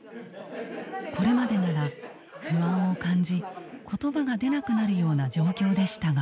これまでなら不安を感じ言葉が出なくなるような状況でしたが。